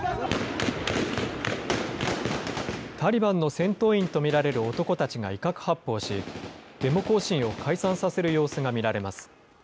タリバンの戦闘員と見られる男たちが威嚇発砲し、デモ行進を解散させる様子が見られます。